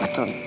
ya udah dong